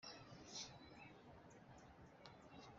Ibyago bizakugwirira .